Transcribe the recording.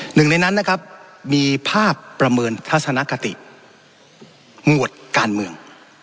หนึ่งในนั้นนะครับมีภาพประเมินทัศนคติหมวดการเมือง